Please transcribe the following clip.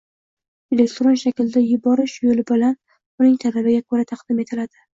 elektron shaklda yuborish yo‘li bilan uning talabiga ko‘ra taqdim etadi.